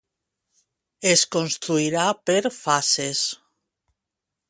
Es construirà per fases.